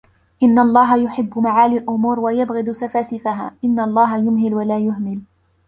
إن الله يحب معالي الأمور ويبغض سفاسفها إن الله يمهل ولا يهمل